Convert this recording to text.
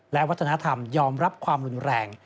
และวัฒนธรรมยอมรับความรุนแรง